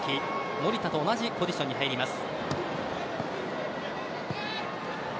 守田と同じポジションに入ります。